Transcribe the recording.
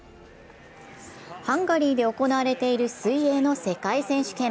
ハンガリーで行われている水泳の世界選手権。